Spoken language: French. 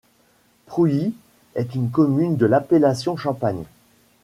Prouilly est une commune de l’appellation Champagne.